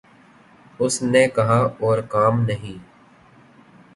اس نے کہا اور کام نہیں